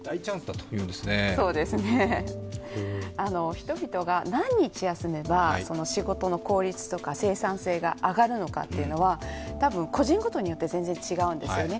人々が何日休めば仕事の効率とか生産性が上がるのかというのは多分、個人ごとによって全然違うんですよね。